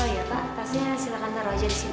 oh iya pak tasnya silakan taruh aja di sini